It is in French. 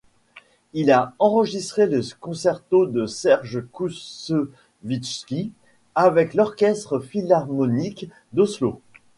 Il a enregistré le concerto de Serge Koussevitzky avec l'orchestre philharmonique d'Oslo.